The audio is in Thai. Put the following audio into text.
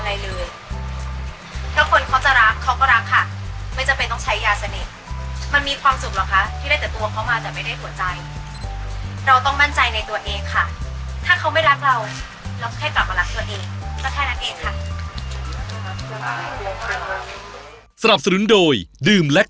วันนี้อยากจะบอกผู้หญิงเราค่ะ